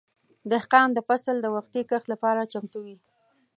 دهقان د فصل د وختي کښت لپاره چمتو وي.